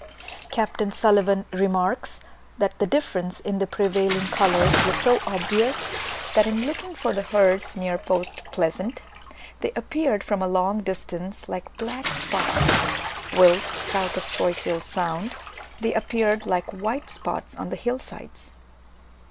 Capt. Sulivan remarks, that the difference in the prevailing colours was so obvious, that in looking for the herds near Port Pleasant, they appeared from a long distance like black spots, whilst south of Choiseul Sound they appeared like white spots on the hill sides.